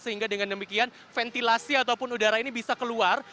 sehingga dengan demikian ventilasi ataupun udara ini bisa keluar